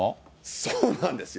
そうなんですよ。